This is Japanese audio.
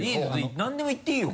何でも言っていいよ